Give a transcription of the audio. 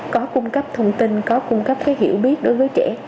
có cung cấp thông tin có cung cấp cái hiểu biết đối với trẻ